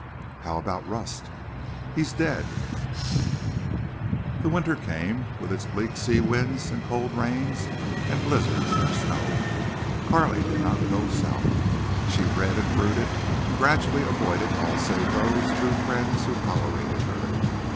"How about—Rust?" "He's dead." The winter came, with its bleak sea winds and cold rains and blizzards of snow. Carley did not go South. She read and brooded, and gradually avoided all save those true friends who tolerated her.